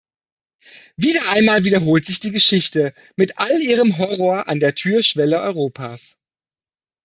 Wieder einmal wiederholt sich die Geschichte mit all ihrem Horror an der Türschwelle Europas.